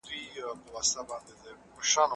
زه اوږده وخت موسيقي اورم وم!!